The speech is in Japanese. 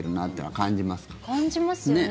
感じますね。